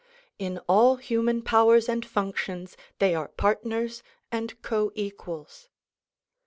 In all human powers and functions they are partners and co equals.